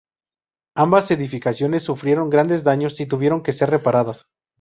Ambas edificaciones sufrieron grandes daños y tuvieron que ser reparadas.